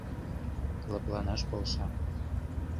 — Лыпланаш полша.